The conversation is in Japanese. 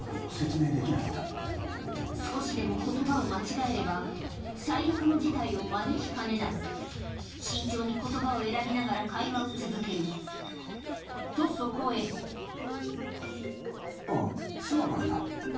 少しでも言葉を間違えれば最悪の事態を招きかねない慎重に言葉を選びながら会話を続けるとそこへあぁ。